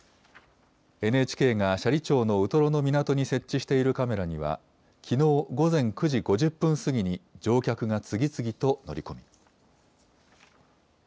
ＮＨＫが斜里町のウトロの港に設置しているカメラには、きのう午前９時５０分過ぎに乗客が次々と乗り込み。